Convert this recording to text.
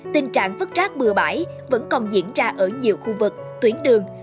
tình trạng vứt rác bừa bãi vẫn còn diễn ra ở nhiều khu vực tuyến đường